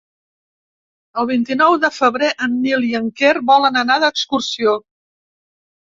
El vint-i-nou de febrer en Nil i en Quer volen anar d'excursió.